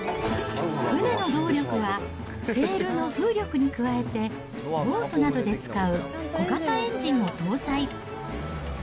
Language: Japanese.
船の動力はセールの風力に加えて、ボートなどで使う小型エンジンを搭載。